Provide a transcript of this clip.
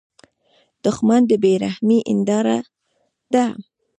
دښمن د بې رحمۍ هینداره ده